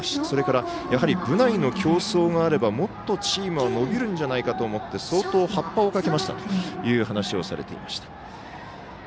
それから、部内の競争があればもっとチームは伸びるんじゃないかと思って相当、発破をかけましたという話をしていました。